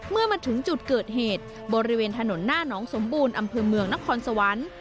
เมื่อมาถึงจุดเกิดเหตุบริเวณถนนหน้าน้องสมบูรณ์อำเภอเมืองนครสวรรค์